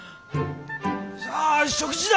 さあ食事だ！